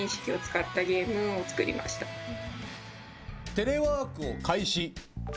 テレワークを開始。